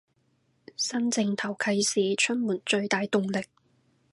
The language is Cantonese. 新正頭啟市出門最大動力